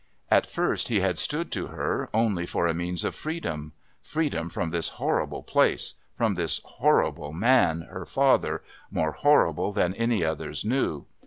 At first he had stood to her only for a means of freedom. Freedom from this horrible place, from this horrible man, her father, more horrible than any others knew.